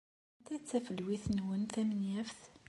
Anta ay d tafelwit-nwen tamenyaft?